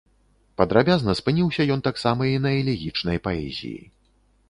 Падрабязна спыніўся ён таксама і на элегічнай паэзіі.